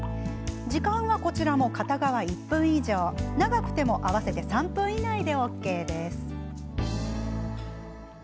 時間は、こちらも片側１分以上長くても合わせて３分以内でＯＫです。